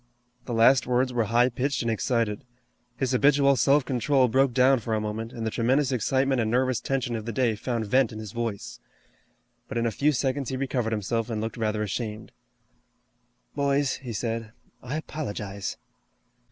The last words were high pitched and excited. His habitual self control broke down for a moment, and the tremendous excitement and nervous tension of the day found vent in his voice. But in a few seconds he recovered himself and looked rather ashamed. "Boys," he said, "I apologize."